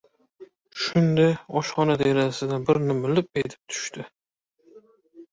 Shunda, oshxona derazasidan bir nima lip etib tushdi.